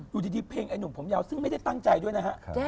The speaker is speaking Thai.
อยู่ดีเพลงไอ้หนุ่มผมยาวซึ่งไม่ได้ตั้งใจด้วยนะฮะ